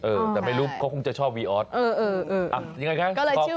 เออแต่ไม่รู้เขาคงจะชอบวีออสเออเออเอออ่ะยังไงคะก็เลยชื่อ